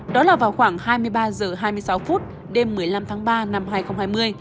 đó là vào khoảng hai mươi ba h hai mươi sáu phút đêm một mươi năm tháng ba năm hai nghìn hai mươi